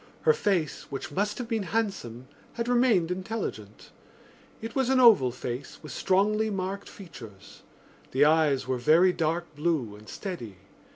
Her face, which must have been handsome, had remained intelligent. It was an oval face with strongly marked features. The eyes were very dark blue and steady.